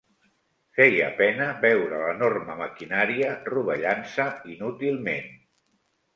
Feia pena veure l'enorme maquinària rovellant-se inútilment